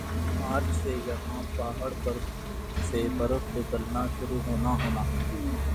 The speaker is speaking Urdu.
مارچ سے یَہاں پہاڑ پر سے برف پگھلنا شروع ہونا ہونا